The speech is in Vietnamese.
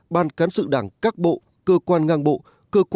ban cán sự đảng các bộ cơ quan ngang bộ